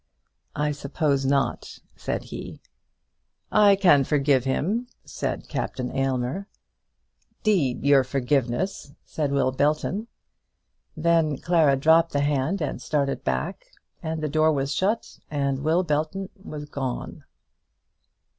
"I suppose not," said he. "I can forgive him," said Captain Aylmer. "D your forgiveness," said Will Belton. Then Clara dropped the hand and started back, and the door was shut, and Will Belton was gone.